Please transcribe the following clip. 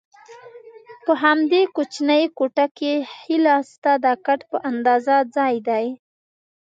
په همدې کوچنۍ کوټه کې ښي لاسته د کټ په اندازه ځای دی.